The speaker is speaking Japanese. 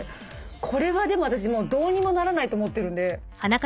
これはでも私どうにもならないと思ってるんで。